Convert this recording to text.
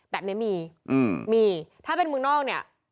แบบนี้มีมีถ้าเป็นเมืองนอกเนี่ย